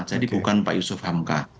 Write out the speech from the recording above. jadi bukan pak yusuf hamka